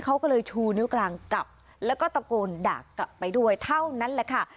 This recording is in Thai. เขาก็เลยชูนิ้วกลางกลับแล้วก็ตะโกนด่ากลับไปด้วยเท่านั้นแหละค่ะ